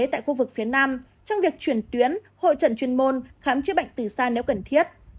tại khu vực phía nam trong việc chuyển tuyến hội trận chuyên môn khám chữa bệnh từ xa nếu cần thiết